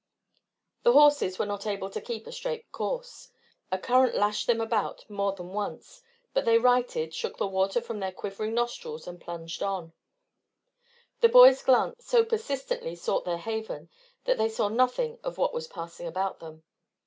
The horses were not able to keep a straight course. The current lashed them about more than once, but they righted, shook the water from their quivering nostrils, and plunged on. The boys' glance so persistently sought their haven that they saw nothing of what was passing about them.